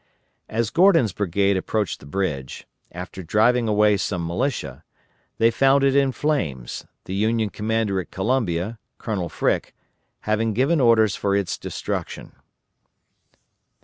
As Gordon's brigade approached the bridge, after driving away some militia, they found it in flames, the Union commander at Columbia, Colonel Frick, having given orders for its destruction.